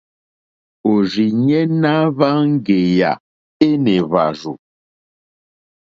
Òrzìɲɛ́ ná hwáŋɡèyà énè hwàrzù.